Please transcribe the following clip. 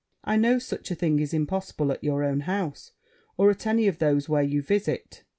I know such a thing is impossible at your own house, or at any of those where you visit.